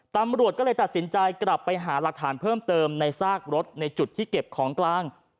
ตำรวจก็เลยตัดสินใจกลับไปหาหลักฐานเพิ่มเติมในซากรถในจุดที่เก็บของกลาง